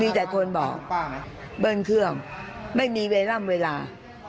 มีแต่คนบอกเบิ้ลเครื่องไม่มีเวลาร่ำเวลา